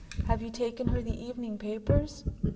Have you taken her the evening papers?"